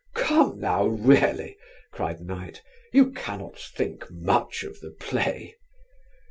"Come now, really," cried Knight, "you cannot think much of the play?"